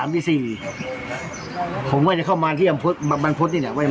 พี่เล่าให้ฟังหน่อย